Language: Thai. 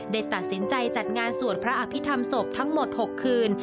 ได้ตัดสินใจจัดงานสวดพระอภิษฐรรมศพทั้งหมด๖คืน